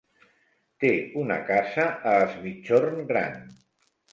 Té una casa a Es Migjorn Gran.